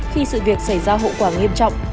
khi sự việc xảy ra hậu quả nghiêm trọng